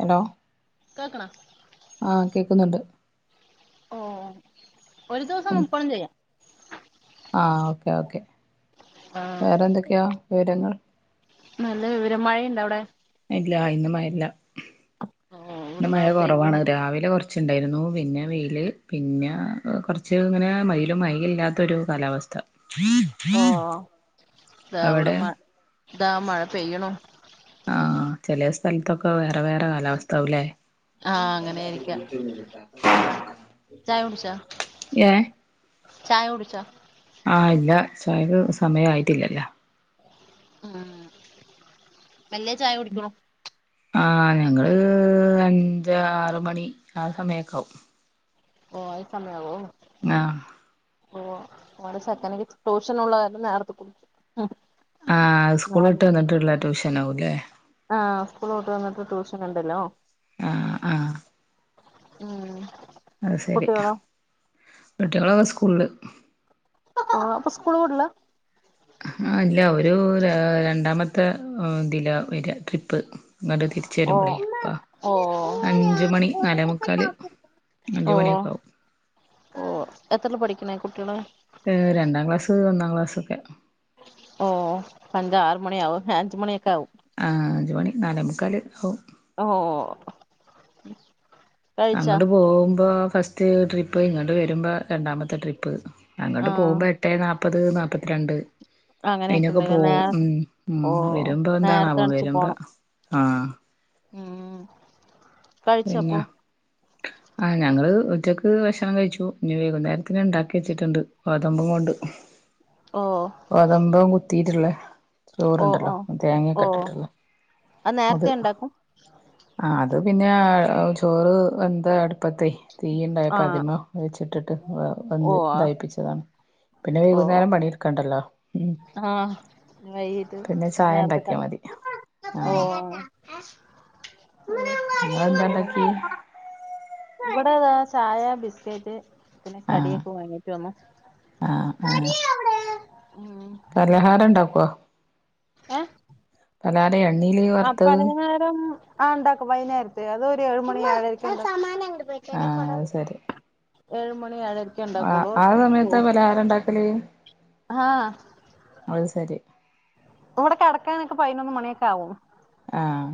Hello കെക്കണം ആഹ് കേൾക്കുന്നുണ്ട് ഓഹ് ഒരു ദിവസം ഉം മുപ്പതും ചെയ്യാം ആഹ് ഓക്കെ ഓക്കെ ആഹ് വേറെ എന്തൊക്കെയാ വിവരങ്ങൾ നല്ല വിവര മഴയുണ്ട് അവിടെ ഇല്ല ഇന്ന മഴല്ല ഓ ഇന്ന് ഇവിടെതാ മഴ കുറവാണ് പെയ്യണു രാവിലെ കുറച്ച് കുറച്ചുണ്ടായിരുന്നു പിന്നെ വെയ്ൽ പിന്നെ കുറച്ച് ഇങ്ങനെ മയിലും മൈയില്ലാത്തൊരു കാലാവസ്ഥ ഓ അവിടെ ദാ മഴ പെയ്യണോ ആഹ് ചെില സ്ഥലത്തൊക്കെ വേറെ വേറെ കാലാവസ്ഥാവല്ലേ ആഹ് അങ്ങനെയിരിക്ക ചായ കുടിച്ചാ [inaudible] ചായ കുടിച്ചോ ആഹ് ഇല്ല ചായക്ക് സമയയിട്ടില്ലല്ലോ ഉം വല്ലേ ചായ കുടിക്കണോ ആഹ് ഞങ്ങള് അഞ്ച ആറ മണി ആ സമയക്ക ആവും ഓ യി സമയവോ ആഹ് ഓഹ് അടെ ചെക്കനക്ക് ട്യൂഷൻ ഉള്ളതാരണം നേരത്തെ കുളിച്ചു ആഹ് സ്കൂളിട്ട് വന്നിട്ടുള്ള ട്യൂഷന ആവല്ലേ ആഹ് സ്കൂളിലോട്ട് വന്നിട്ട് ട്യൂഷൻ ഉണ്ടല്ലോ ആഹ് ആഹ് ഉം അത് ശരി കുട്ടികളോ [unintelligible] ക്കെ സ്കൂള് ആഹ് അപ്പൊ സ്കൂൾ [unintelligible] ആഹ് ഇല്ല ഒരു രണ്ടാമത്തെ ഇതില വരാ ട്രിപ്പ് അങ്ങട്ട് തി ചേരുമ്പളേ അപ്പ ഓ ഓ അഞ്ച മണി നലമുക്കാൽ അഞ്ച മണിയൊക്കെ ആവും ഓഹ് എത്രല്ല പഠിക്കണ കുട്ടികള് ഏഹ് രണ്ടാം ക്ലാസ് ഒന്നാം ക്ലാസ്സൊക്കെ ഓഹ് അഞ്ച ആറ മണി ആക അഞ്ച മണിയൊക്കെ ആവും ആഹ് അഞ്ച മണി നാല് മുക്കാൽ ആവും ഓഹ് അങ്ങോട്ട് പോകുമ്പോ ഫസ്റ്റ് ട്രിപ്പ് ഇങ്ങോട്ട് വരുമ്പോ രണ്ടാമത്തെ ട്രിപ്പ് അങ്ങോട്ട് ആഹ് പോകുമ്പോ എട്ടേ നാപ്പത് നാല്പത്തിരണ്ട് അങ്ങനെയൊക്കെ അയിനൊക്കെ ഉണ്ടല്ലേ പോവും നേരത്തെ ഉം ഉം ഓ വരുമ്പോ നേരത്തെ എന്താണവോ എണീച്ച് വരുമ്പോ പോണം ആഹ് ഉം കഴിച്ചോ പിന്നെ അപ്പൊ ആഹ് ഞങ്ങള് ഉറ്റക്ക് ഭഷണം കഴിച്ചു ഇനി വൈകുന്നേരത്തിന് ഉണ്ടാക്കി വെച്ചിട്ടുണ്ട് ഗോതമ്പും കൊണ്ട് ഓഹ് ഗേതമ്പം കുത്തിട്ടുള്ളേ ഓ ഓ ചോറ്ണ്ടല്ലോ ഓ തേങ്ങൊക്കെ ഇട്ട്ട്ട്ള്ളെ അത്. നേരത്തെ ഉണ്ടാക്കും ആഹ് അത് പിന്നെ ചോറ് വെന്ത അട് പ്പത്തെ തീ ഇണ്ടായപ്പോ ആഹ് അതിമ വെച്ചിട്ടിട്ട് ഓ ഒന്ന് ദായിപ്പിച്ചതാണ്. പിന്നെ ഓ വൈകുന്നേരം പണിട്ക്കണ്ടല്ലോ. ആഹ് വൈകിട്ട് പിന്നെ ചായ നേർത്തെ ഇണ്ടാക്കിയാ കട മതി ആഹ് ഓഹ് നിങ്ങളെന്താ ഇണ്ടാക്കി [unintelligible] ഇവടെ ദാ ചായ ബിസ്ക്കറ്റ് പിന്നെ ആഹ് കടിയൊക്കെ വാങ്ങിട്ട് വന്നു. ആഹ് ആ ആഹ് പലഹാരം ഉണ്ടാക്ക്വോ? ഏഹ്? പലഹാരേ എണ്ണീല് ആഹ് വറുത്തത് പലഹാരം ആഹ് ഉണ്ടാക്കും വൈകുന്നേരത്ത് അത് ഒരു ഏഴ് മണി ഏഴരക്ക് ആഹ് ഇണ്ടാ അത് ശരി ഏഴ് മണി ഏഴര് ആഹ് ആ സമയത്ത് പലഹാരം ഉണ്ടാക്കല്. ആഹ് അത് ശരി ഇവടെ കടക്കാനൊക്കെ പതിനൊന്ന് മണിയൊക്കെ ആവും. ആഹ്.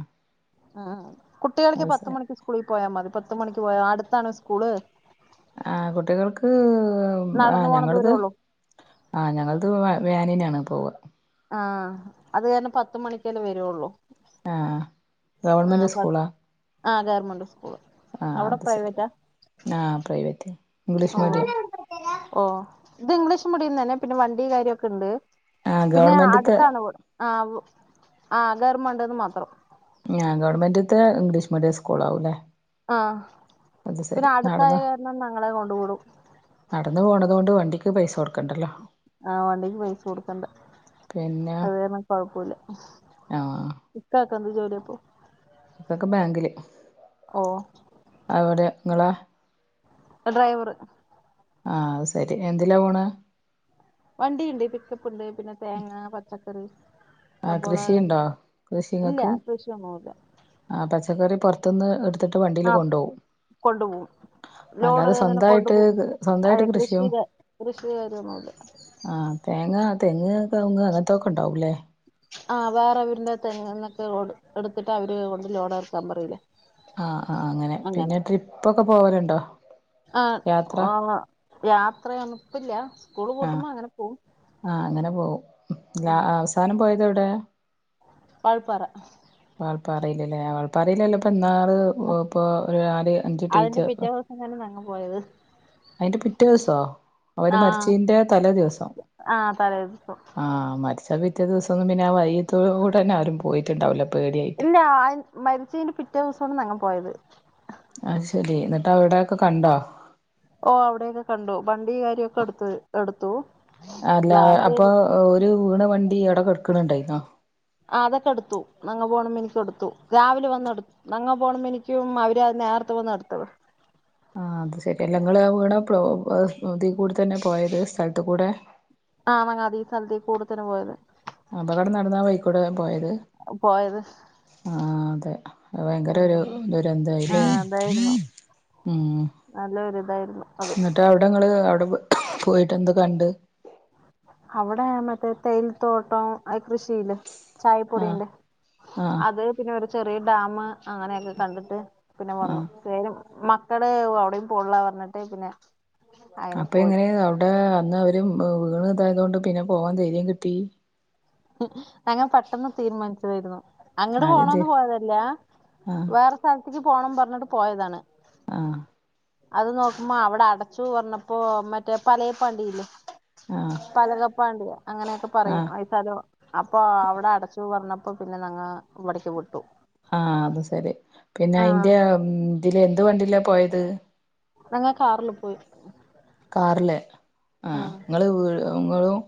ആഹ് കുട്ടികൾക്ക് അത് പത്ത് ശരി മണിക്ക് സ്കൂളി പോയാ മതി പത്ത് മണിക്ക് പോയാ അടുത്താണ് സ്കൂള്. ആഹ് കുട്ടികൾക്ക് നടന്നു ആഹ് പോണ ഞങ്ങള്ത് ദൂരള്ളൂ ആഹ് ഞങ്ങൾത് വേനിനാണ് പോവാ. ആഹ് അത് കാര്ണം പത്ത് മണിക്കല്ലേ വരു ഒള്ളൂ. ആഹ് ഗവൺമെൻറ് സ്കൂളാ ആ ഗവൺമെന്റ് സ്കൂള് ആഹ് അവിടെ അത് സെരി. പ്രൈവറ്റാ ആഹ് പ്രൈവറ്റ്. ഓഹ് ഓഹ് ഇത് ഇംഗ്ലീഷ് മീഡിയം തന്നെ പിന്നെ വണ്ടീ കാര്യൊക്കെണ്ട്. ആഹ് പിന്നെ ഗവൺമെന്റ്ത്തെ അടുത്താണ് ആഹ് ആഹ് ഗർമണ്ട്ന്ന് മാത്രം. ആഹ് ഗവൺമെന്റ്ത്തെ ഇംഗ്ലീഷ് മീഡിയം സ്കൂൾ ആവുല്ലേ? ആഹ് പിന്നെ അടുത്തായേ കാരണം ഞങ്ങളെ കൊണ്ട് കൂടും. നടന്ന് പോണതോണ്ട് വണ്ടിക്ക് പൈസ കൊടുക്കണ്ടല്ലോ. ആഹ് വണ്ടിക്ക് പൈസ കൊടുക്കണ്ട. പിന്നെ അത് കാര്ണം കൊഴപ്പുല്ല. ആഹ് ഇക്കാക്കെന്ത് ജോലിയപ്പോ? ഇക്കക്ക് ബാങ്കില്. ഓ അവിടെ നിങ്ങളെ? ഡ്രൈവർ ആഹ് അഹ് സരി. എന്തിലാ പോണ്? വണ്ടിയ്ണ്ട് പിക്കപ്പ്ണ്ട് പിന്നെ തേങ്ങ പച്ചക്കറി. ആഹ് തബോള കൃഷിയുണ്ടോ [unintelligible] ഇല്ല കൃഷിങ്ങക്ക് കൃഷിയൊന്നൂല്ല. ആഹ് പച്ചക്കറി പൊർത്ത്ന്ന് എടുത്തിട്ട് വണ്ടീൽ ആഹ് കൊണ്ടോവും. കൊണ്ടുപോകും ലോഡ് ഇങ്ങനെ കൊണ്ടുപോ അതെ കൃഷി കൃഷിയും ക കൃഷി കാര്യൊന്നുംല്ല. ആഹ് തേങ്ങാ തെങ്ങ് കവുങ്ങ് അങ്ങനത്തൊക്കെ ഉണ്ടാവൂല്ലേ? ആഹ് വേറെ അവര്ൻ്റെ തെങ്ങ് ന്നൊക്കെ ലോഡ് എടുത്തിട്ട് അവര് കൊണ്ട് ലോഡ് എറക്കാൻ പറയൂലേ. ആഹ് ആഹ് അങ്ങനെ. പിന്നെ ട്രിപ്പൊക്കെ പോവലുണ്ടോ? ആഹ് യാത്ര. ആഹ് യാത്രയൊന്നും ഇപ്പില്ല സ്കൂള് ആഹ് പൂട്ടുമ്പോ അങ്ങനെ പോവും. ആഹ് അങ്ങനെ പോവും. ല്ല ആഹ് അവസാനം പോയത് എവിടെ? വാൾപ്പാറ. വാൾപ്പാറീല് ല്ലേ. വാൾപ്പാറീലല്ലെ ഇപ്പ ഇന്നാള് ഇപ്പൊ ഒരു നാല് അഞ്ച് ടീച്ചർ അതാണ് ഞങ്ങ പോയത്. അയിന്റെ പിറ്റേ ദിവസോ അവര് ആഹ് മരിച്ചതിന്റെ തലേ ദിവസം [unintelligible] ചെലപ്പോ പിറ്റേ ദിവസൊന്നും പിന്നെ ആ വഴീത്തൂക്കുടെ തന്നാരും പോയിട്ട്ണ്ടാവില്ല പേടിയായി ഇല്ലാ അത് മരിച്ചതിന്റെ പിറ്റേ ദിവസമാണ് ഞങ്ങൾ പോയത് അത് ശരി ഇന്നട്ട് അവിടെയൊക്കെ കണ്ടോ ഓഹ് അവിടെയൊക്കെ കണ്ടു വണ്ടി കേറിയേപ്പൊ എടുത് എടുത്തു അല്ലാ ഗ്ലാസ് അപ്പൊ ഓര് വീണ വണ്ടി അവ്ടെ കെടുക്ക്ണ്‌ ണ്ടായിന്നോ ആഹ് അതൊക്കെ എടുത്തു നങ്ങൾ പോണ മി [unintelligible] എടുത്തു രാവിലെ വന്നെടു നങ്ങൾ പോണ മിനി [unintelligible] അവര് നേരത്തെ വന്ന എടുത്തത് ആഹ് അത് ശരി അല്ല ഇങ്ങള് ആ വീണ പ്ലോ അത് ഇതി കൂടെ തന്നെ പോയത് സ്ഥലത്തു കൂടെ ആഹ് അതീസ്ഥലത്തി കൂടത്തന്നെ പോയത് അപകടം നടന്ന ആ വഴിക്കൂടെയാ പോയത് പോയത് സ് അഹ് ആഹ് അതെ അവ്ടെ ഭയങ്കര ഒരു ആ ദുരന്തായില്ലേ ഉം നല്ല ഒരിതായിരുന്നു അത് ഇന്നട്ട് അവ്ടെങ്ങള് അവിടെ പോയിട്ട് എന്ത് കണ്ട് അവിടെ മറ്റേ തേയിലത്തോട്ടം കൃഷിയില് ആഹ് ചായപ്പൊടിയിണ്ട് ആഹ് അത് പിന്നെ ഒരു ചെറിയ ഡാമ് അങ്ങനെയൊക്കെ കണ്ടിട്ട് പിന്നെ വന്നു ആഹ് കേരും മക്കള് അവിടയും പോണില്ല പറഞ്ഞിട്ട് പിന്നെ അങ്ങനെ അപ്പ പോയി എങ്ങനെ അവിടെ അന്ന് അവര് വീണ് ഇതായതു കൊണ്ട് പിന്നെ പോകാൻ ധൈര്യം കിട്ടി ഞങ്ങള് പെട്ടെന്ന് തീരുമാനിച്ചതായിരുന്നു അങ്ങട് അതെന്തേ പോണന്ന് പോയതല്ല ആ വേറെ സ്ഥലത്ത്ക്ക് പോണം പറഞ്ഞിട്ട് പോയതാണ് ആഹ് അത് നോക്കുമ്പോ അവിടെ അടച്ചു പറഞ്ഞപ്പോ മറ്റേ പലേപാണ്ടി ഇല്ലേ ആ ഇപ്പതൊക്കെ പ അങ്ങനെയൊക്കെ പറയും ആ സ്ഥലം അപ്പൊ ആഹ് അവിടെ അടച്ചു പറഞ്ഞപ്പോ പിന്നെ ഞങള് ഇവിടേക്ക് വിട്ടു ആഹ് അത് ശരി പിന്നെ ആഹ് അയിന്റെ ഇതില് എന്ത് വണ്ടില പോയത് ഞങ്ങള് കാറില് പോയി കാറില് ആഹ് ഇങ്ങള് വീ ഇങ്ങളും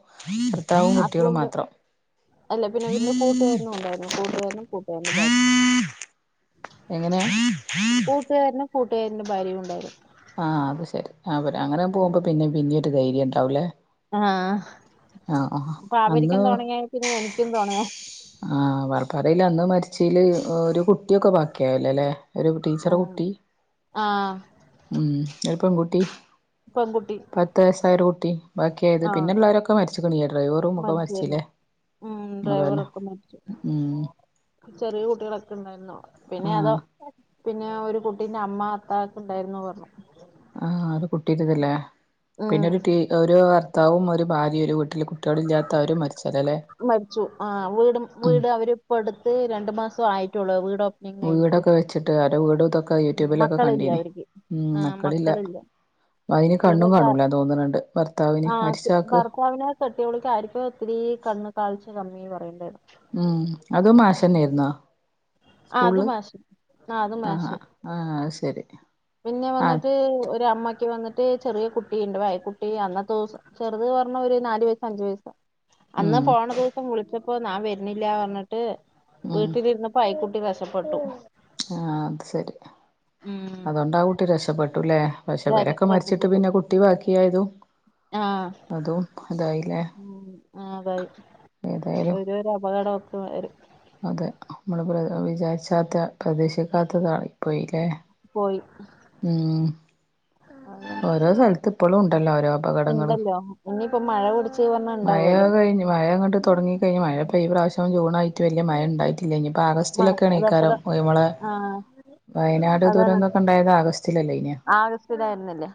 ഭർത്താവും കുട്ടികളും ഹസ്ബൻഡ് മാത്രം അല്ല പിന്നെ പിന്നെ കൂട്ടുകാരനും ഉണ്ടായിരുന്നു കൂട്ടുകാരനും കൂട്ടുകാരന്റെ ഭാര്യം എങ്ങനെ കൂട്ടുകാരനും കൂട്ടുകാരന്റെ ഭാര്യയും ഉണ്ടായിരുന്നു ആഹ് അത് ശരി അവര് അങ്ങനെ പോകുമ്പ പിന്നിം പിന്നി ഒരു ധൈര്യണ്ടാവൂലേ ആഹ് അപ്പൊ അവരിക്കും തൊണയായെ പിന്നെ എനിക്കും തൊണയാ ആഹ് വാർപ്പാറയില് അന്ന് മരിച്ചേല് ഒരു കുട്ടിയൊക്കെ ബാക്കിയായില്ലൊ ല്ലേ ഒരു ടീച്ചറെ ആഹ് കുട്ടി ആഹ് ഉം ഒരു പെൺകുട്ടി പെൺകുട്ടി പത്ത് വയസ്സായ ഒരു കുട്ടി ബാക്കിയായത് ആഹ് പിന്നെള്ളവരൊക്കെ മരിച്ച്ക്ക്ണ് ലെ ഡ്രൈവറും ഒക്കെ മരിച്ചായിരുന്നു മരിച്ചിലേ ഉം അതന്നെ ഉം ചെറ്യേ കുട്ടിയളൊക്കെ ഉണ്ടായിരുന്നോ പിന്നെ അതോ ആഹ് പിന്നെ ഒരു കുട്ടീന്റെ അമ്മ അത്ത ഒക്കെ ഉണ്ടായിരുന്നു പറഞ്ഞു ആഹ് അത് കുട്ടിയിടതല്ലേ പിന്നെ ഉം ഒരു ടി ഓരു ഭർത്താവും ഒരു ഭാര്യ ഒരു വീട്ടിലെ കുട്ടികളില്ലാത്തവരും മരിച്ചല്ലേ അല്ലേ മരിച്ചു ആ വീടും വീട് അവരിപ്പോ എടുത്ത് രണ്ട് മാസെ ആയിട്ടുള്ളൂ വീടൊ വീടൊക്കെ വെച്ചിട്ട് അവരെ വീട് ഇതൊക്കെ യൂട്യൂബിലൊക്കെ മക്കളില്ല കണ്ടീനി അവർക്ക് ഉം മക്കളില്ല. അതിന് കണ്ണും വീടെടുത്ത കാണൂലന്ന് തോന്നണുണ്ട് ഭർത്താവിന് മരിചാക്ക്. കുട്ട്യോള്ക്ക്‌ ആരിക്കൊ ഒത്തിരി കണ്ണ് കാഴ്ച കമ്മിന്ന് പറയ്ണ് ണ്ട്. ഉം അതും മാഷ് തന്നൊയിര്ന്നോ ആഹ് അത് സ്കൂളില്. മാഷ് ആഹ് അത് ആഹ മാഷ് ഹ. ആഹ് ശരി. പിന്നെ ആഹ് വന്നിട്ട് ഒരമ്മക്ക് വന്നി ട്ടി ചെറിയ കുട്ടിയുണ്ട് വായക്കുട്ടി അന്നത്തെ ദിവസം ചെറുത് പറഞ്ഞ ഒരു നാല് വയസ്, അഞ്ച് വയസ്. അന്ന് ഉം പോണ ദിവസം വിളിച്ചപ്പോ ഞാൻ വര്ണില്ല പറഞ്ഞിട്ട് ഉം വീട്ടിലിരുന്നപ്പോ അയ്ക്കുട്ടി വെഷ പ്പെട്ടു. ആ അത് ശരി. ഉം അതോണ്ട് ആ കുട്ടി രക്ഷപ്പെട്ടുല്ലെ പക്ഷേ രക്ഷ- ഇവരൊക്കെ മരിച്ചിട്ട് രക്ഷപ്പെട്ടു പിന്നെ കുട്ടി ബാക്കിയായതും. ആഹ് അതും ഇതായി ലെ. ഉം ആ അതായി ഒരു, ഒരു അപകടം ഒത്ത് വരും. അതെ നമ്മൾ പ്ര വിചാരിച്ചാത്ത പ്രതീശിക്കാത്തതായി പോയി ലെ. പോയി. ഉം. ഓരോ സ്ഥലത്ത് ഇപ്പളും ഉണ്ടല്ലോ ഓരോ. അപകടങ്ങള് ഉണ്ടല്ലോ ഇനിയിപ്പോ മഴ പിടിച്ച് പറഞ്ഞാ മഴയോ ഉണ്ടാകുമല്ലോ കഴിഞ്ഞ് മഴങ്ങട്ട്. തൊടങ്ങി കഴിഞ്ഞ് മഴ ഇപ്പം ഈ പ്രാവശ്യം ജൂണായിട്ട് വല്യ മഴ ഇണ്ടായി ഇല്ല ഇനിയിപ്പ ആഗസ്റ്റിലൊക്കെയാണെക്കാരം അതപ്പതാ ഞമ്മളെ ആഹ് വയനാട് അതാണ് ദുരന്തൊക്കെ ഇണ്ടായത് ആഗസ്റ്റ്. സ്റ്റില്ലായ്നൊ. ആഗസ്റ്റിലായിരുന്നില്ലേ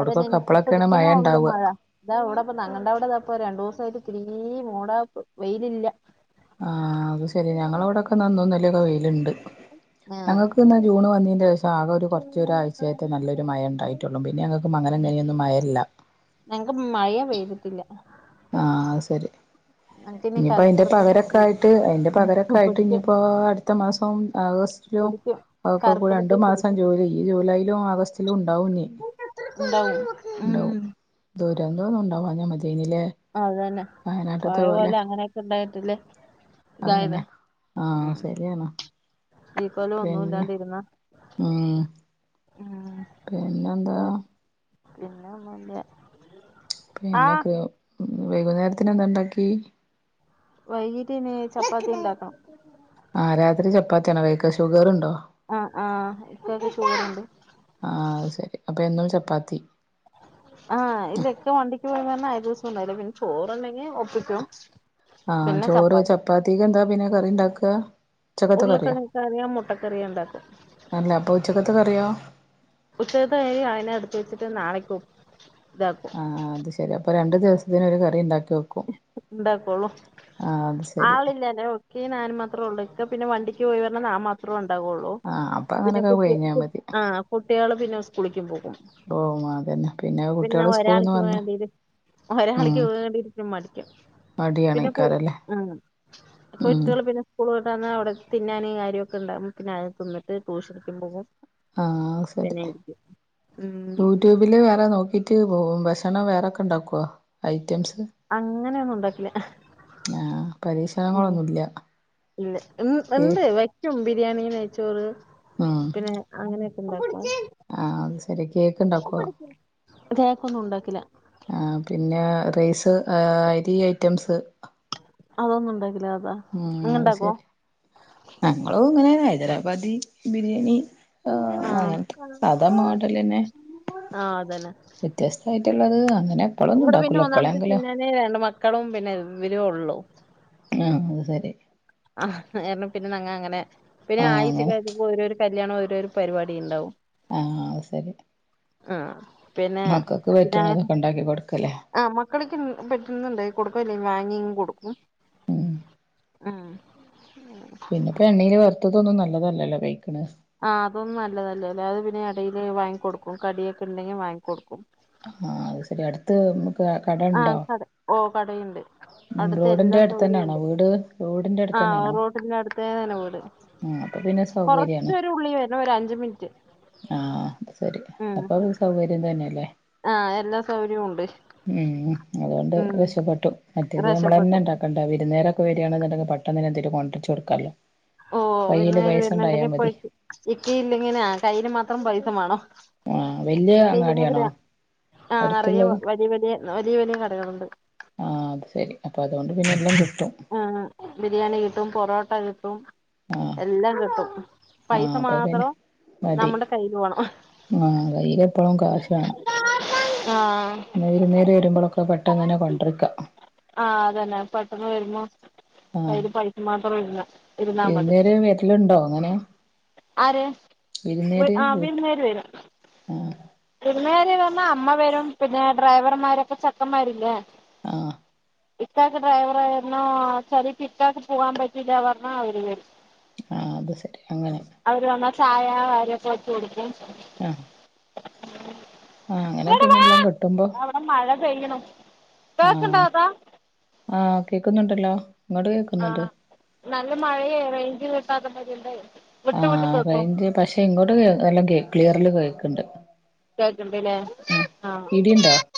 അതന്നെ ഇനി അപ്പളൊക്കെയാണ് മഴ പിടിക്ക്ണെ ഒള്ളു ഉണ്ടാവുക മഴ. ഇതാ ഇവിടപ്പ നങ്ങണ്ട അവിടെ ദാ ഇപ്പം രണ്ടൂസം ആയിട്ട് തീരെ മൂടാപ്പ് വെയിലില്ല. ആഹ് അത് ശരി ഞങ്ങളവിടൊക്കെന്നാ ഇന്നും ഇന്നലെ ഒക്കെ വെയിലുണ്ട്. ആഹ് ഞങ്ങക്ക് ന്നാ ജൂൺ വന്നിന്റെഷം. ആകെ ഒരു കൊറച്ച് ഒരാഴ്ച്ചായിട്ടെ നല്ലൊരു മഴ ഇണ്ടായിട്ടൊള്ളൂ പിന്നെ ഞങ്ങക്ക് മങ്ങനെന്നെ ഇങ്ങനെയൊന്നും മഴഇല്ല. ഞങ്ങക്ക് മഴയെ പെയ്തിട്ടില്ല. ആ അത് ശരി. ഞങ്ങക്കിനി ഇനീപ്പ അയിന്റെ കർക്കിടത്തിൽ പകരൊക്കെ ആയിട്ട് അയിന്റെ പകരൊക്കെ ആയിട്ട് പിടിക്കും ഇനിയിപ്പോ അടുത്ത മാസോം ആഗസ്റ്റിലും. പിടിക്കും ഒക്കെ കൂടെ രണ്ടു കർക്കിടത്തിൽ മാസം പിടിക്കും ജൂലൈ ഈ ജൂലൈയിലും ആഗസ്റ്റിലും ഉണ്ടാവും ഞ്ഞി. ഇണ്ടാവും ഉം. ദുരന്തൊന്നും ഉണ്ടാവാഞ മതിയെനിലെ. അതന്നെ പഴേപോലെ അങ്ങനെയൊക്കെ ഇണ്ടായിട്ടില്ലേ. അങ്ങനെ ആഹ് ശരിയാണ്. ഈ കൊല്ലം ഒന്നും പിന്നെ ഇല്ലാണ്ടിരുന്ന. ഉം ഉം. പിന്നെന്താ? പിന്നെ ഒന്നുല്ല. പിന്നെ ആഹ് [unintelligible] വൈകുന്നേരത്തിന് എന്താ ഇണ്ടാക്കി. വൈകീട്ടിന് ചപ്പാത്തി ഇണ്ടാക്കണം. ആ രാത്രി ചപ്പാത്തിയാണോ കഴിക്ക. ഷുഗറുണ്ടോ? ആ ആ ഇക്കാക്ക് ഷുഗറുണ്ട്. ആഹ് അത് ശെരി അപ്പം എന്നും ചപ്പാത്തി. ആഹ് ഇല്ല ഇക്ക വണ്ടിക്ക് പോയത് കാരണം [unintelligible] ചോറുണ്ടെങ്കിൽ ഒപ്പിക്കും. ആഹ് പിന്നെ ചോറ് ചപ്പാത്തി ചപ്പാത്തിക്കെന്താ പിന്നെ കറിണ്ടാക്ക. ഉർളക്കിഴങ്ങ് കറിയാ മുട്ടക്കറിയാ ണ്ടാക്കും. അല്ല അപ്പോ ഉച്ചക്കത്തെ കറിയോ? ഉച്ചകത്തെ കറി അയിനെ ട്ത്ത് വെച്ച്ട്ട് നാളക്ക് വെക്കും ഇതാക്കും ആഹ് അത് ശരി അപ്പം രണ്ടു ദിവസത്തിന് ഒര് കറിണ്ടാക്കി വെക്കും. ഇണ്ടാകൊള്ളു ആ അത് ശരി ആളില്ലല്ലോ. ക്കി നാനും മാത്രേ ഒള്ളൂ ഇക്ക പിന്നെ വണ്ടിക്ക് പോയി കാരണം നാ മാത്രേ ഇണ്ടാവൊള്ളൂ ആ ഓഹ് അപ്പൊ പിന്നെ അങ്ങനൊക്കെ കുട്ട്യെ കഴിഞ്ഞാൽ കു മതി ആഹ് കുട്ട്യെള് പിന്നെ സ്കൂളിക്കും പോകും. ഓ അതെന്നെ പിന്നെ കുട്ട്യെള് സ്കൂള്ന്ന് വന്ന ഒരാളിക്ക് [unintelligible] മടിക്കും മടിയാണ് പിന്നെ പു ഇക്കാരല്ലേ ആഹ് ഉം കുട്ട്യെള് പിന്നെ സ്കൂൾട്ടെന്നാ അവടെ തിന്നാന് കാര്യൊക്കെണ്ടാവും പിന്നെ അത് തിന്നിട്ട് ട്യൂഷിട്ക്കും പോവും. ആഹ് അയ് ശെരി ഉം [unintelligible] ട്യൂബില് വേറെ നോക്കിട്ട് പോവും ഭക്ഷണം വേറെക്കെണ്ടാക്കൊ ഐറ്റംസ്? അങ്ങനെന്നുണ്ടാക്കില്ല ആഹ് ഉം പരീക്ഷണങ്ങളൊന്നുല്ല ഇല്ല ഇൺ കേ ഇണ്ട് വെ ക്കും ബിരിയാണി, നെയ്ച്ചോറ് ഉം പിന്നെ അങ്ങനെക്കെണ്ടാകും. ആഹ് അത് ശരി കേക്ക് ഉണ്ടാക്കുവോ കേക്കൊന്നുണ്ടാക്കില്ല. ആഹ് പിന്നെ റൈസ് ഏഹ് അരി ഐറ്റംസ്. അതൊന്നുണ്ടാക്കില്ല അതാ ഉം നിങ്ങ അത് ഉണ്ടാക്കോ ശെരി ഞങ്ങളും ഇങ്ങനെനെ ഹൈദരാബാദി ബിരിയാണി ഏഹ് ആഹ് അങ്ങൻത്തെ സാധാ മോഡലെന്നെ. ആഹ് അതന്നെ വെ ത്യസ്തായിട്ട്ള്ളത് അങ്ങനെ ഇവിടെ എപ്പോളൊന്നുംണ്ടാക്കൂല്ല എപ്പളെങ്കിലോ പിന്നെ ഈ രണ്ട് മക്കളും പിന്നെ ഇവരേ ഒള്ളു. ആഹ് അത് സെരി. കാരണം പിന്നെ നങ്ങ അങ്ങനെ പിന്നെ ആഹ് ആഴ്ച അങ്ങനെ കഴച്ചപ്പോ ഓരോരോ കല്യാണം ഓരോരോ പരിപാടിണ്ടാവും. ആഹ് അത് സെരി ആഹ് പിന്നെ മക്കക്ക് പിന്നെ പറ്റ്ണതൊക്കെ ണ്ടാക്കി കൊട്ക്കല്ലേ. ആഹ് മക്കള്ക്കിൻ പറ്റ്ന്നണ്ടാക്കി കൊടുക്കും അല്ലെങ്കി വാങ്ങ്യൻ കൊടുക്കും. ഉം ആഹ് പിന്നെപ്പൊ എണ്ണേല് വറ്തതൊന്നും നല്ലതല്ലല്ലോ കഴിക്ക്ണ് ആഹ് അതൊന്നും നല്ലതല്ലല്ലാ അത് പിന്നെ എടയില് വാങ്ങിക്കൊടുക്കും കടിയൊക്കെ ല്ലെങ്കി വാങ്ങി ക്കൊടുക്കും. ആഹ് അത് സെരി അട്ത്ത് വന്ന് പാ ആഹ് കട ആഹ് കടയിണ്ട്. അട്ത്ത റോഡിന്റെ എല്ലാ അടുത്ത് തന്നെയാണോ സൗകര്യൂണ്ട് വീട് റോഡിന്റെ അടുത്ത് ആഹ് റോഡിന്റട്ത്തേ തന്നെ വീട്. ഉം അപ്പൊ പിന്നെ സ കൊറച്ചൊരുള്ളി വരണം ഒരഞ്ച് മിനിറ്റ്. ആഹ് അത് സെരി ഉം അപ്പത് സൗകര്യം തെന്നല്ലേ. ആഹ് എല്ലാ സൗകര്യൂണ്ട്. ഉം അതൊണ്ട് രക്ഷപ്പെട്ടു മറ്റേത് റേഷൻ പെട്ടും നമ്മളെന്നെണ്ടാക്ക ണ്ട വിര്ന്നാരൊക്കെ വെരാണെന്ന്ണ്ടെങ്കി പെട്ടന്നെനെന്തെലും കൊണ്ട്രിച്ചൊട്ക്കാല്ലോ ഓഹ് വിര്ന്ന് കാര് വരുന്നുണ്ടെങ്കി പോയി ഇക്കയില്ലങ്കി ഞാ കയ്യില് മാത്രം പൈസമാണം. ആഹ് വല്യ ല്ലെങ്ങിൽ അങ്ങാടിയാണോ ആ നിറയ അടുത്തുള്ളത് വലിയ വലിയ വലിയ വലിയ കടകളുണ്ട് ആഹ് അത് ശരി അപ്പൊ അതൊണ്ട് പിന്നെ എല്ലാം കിട്ടും ആഹ് ബിരിയാണി കിട്ടും പൊറോട്ട കിട്ടും ആഹ് എല്ലാം കിട്ടും പൈസ ആഹ് അപ്പൊ പിന്നെ മാത്രം മതി നമ്മുടെ കയ്യില് വേണം ആഹ് കയ്യില് എപ്പഴും കാശ് വാണം ആഹ് ന്നെ വിരുന്നേര് വരുമ്പളൊക്കെ പെട്ടെന്നന്നേ കൊണ്ടിരിക്ക. ആഹ് അതന്നെ പെട്ടെന്ന് വരുമ്പോ ആഹ് കൈയില് പൈസ മാത്രം ഇന്ന് ഇരുന്നാ മതി ല്ണ്ടോ അങ്ങനെ ആര് വിരുന്നേര് ആഹ് വീട്ട് വീരുന്നേര് വരും ആഹ് വിരുന്നേര് വന്നാ അമ്മ വരും പിന്നെ ഡ്രൈവർമാരൊക്കെ ചക്കന്മാരില്ലേ ആഹ് ഇക്കാക്ക് ഡ്രൈവറായിരുന്നോ ചല് ഇക്കക്ക് പോവാൻ പറ്റീല്ല പറഞ്ഞ അവര് വരു ആഹ് അത് ശരി അങ്ങനെ അവര് നമ്മ ചായ [unintelligible] കൊടുക്കും ആഹ് ആഹ് അങ്ങനെ ഇങ്ങട് വാ പിന്നല്ലാം കിട്ടുമ്പോ അവിടെ മഴ പെയ്യണു കേക്കണ്ടോ ആഹ് അതാ ആഹ് കേക്കുന്നുണ്ടല്ലോ ഇങ്ങോട്ട് കേക്കുന്നുണ്ട് ആഹ് നല്ല മഴയ റേഞ്ചിൽ കിട്ടാത്ത [unintelligible] വിട്ട് ആഹ് കേക്കണു റേഞ്ച് പക്ഷെ ഇങ്ങോട്ട് കേ നല്ലോം ക്ലിയർല് കേക്ക്ണ്ട് കേക്ക്ണ്ട്ല്ലേ ആഹ് ഇടിണ്ടോ